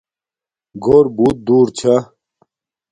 گھور بوت دور چھا